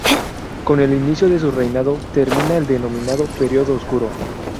Con el inicio de su reinado termina el denominado "periodo oscuro".